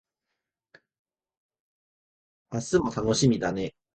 明日も楽しみだね